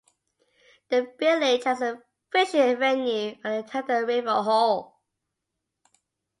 The village has a fishing venue on the tidal River Hull.